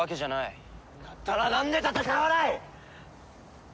だったらなんで戦わない！？